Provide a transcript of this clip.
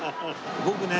僕ね